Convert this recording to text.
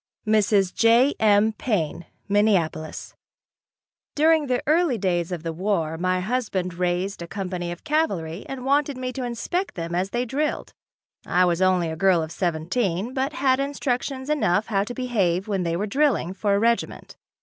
Mrs. J. M. Paine, Minneapolis. During the early days of the war my husband raised a company of cavalry and wanted me to inspect them as they drilled. I was only a girl of seventeen, but had instructions enough how to behave when they were drilling, for a regiment.